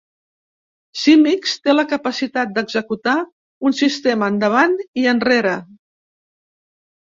Simics té la capacitat d'executar un sistema endavant i enrere.